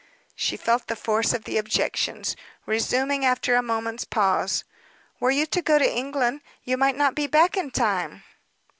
She felt the force of the objections. Resuming after a moment's pause "Were you to go to England, you might not be back in time."